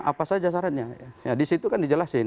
apa saja syaratnya nah di situ kan dijelasin